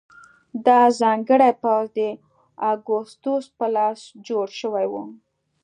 دا ځانګړی پوځ د اګوستوس په لاس جوړ شوی و.